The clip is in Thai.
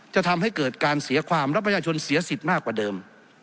จะทำให้เกิดการเสียความและประชาชนเสียสิทธิ์มากกว่าเดิม